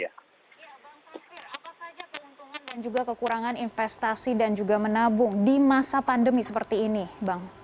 ya bang faisir apa saja keuntungan dan juga kekurangan investasi dan juga menabung di masa pandemi seperti ini bang